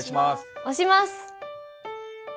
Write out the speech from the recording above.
押します！